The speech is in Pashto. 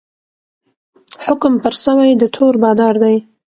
حکم پر سوی د تور بادار دی